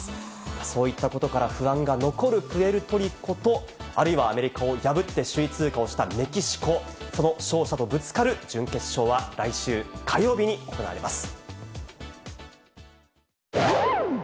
そういったことから、不安が残るプエルトリコと、あるいはアメリカを破って首位通過をしたメキシコ、その勝者とぶつかる準決勝は、来週火曜日に行われます。